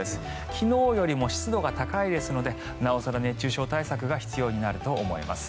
昨日よりも湿度が高いですのでなお更、熱中症対策が必要になると思います。